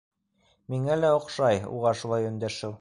Миңә лә оҡшай уға шулай өндәшеү.